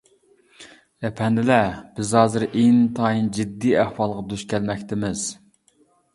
-ئەپەندىلەر، بىز ھازىر ئىنتايىن جىددىي ئەھۋالغا دۇچ كەلمەكتىمىز.